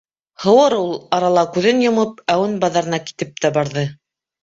Һыуыр ул арала күҙен йомоп, әүен баҙарына китеп тә барҙы.